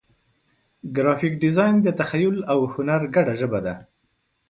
ګرافیک ډیزاین د تخیل او هنر ګډه ژبه ده.